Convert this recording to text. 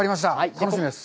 楽しみです。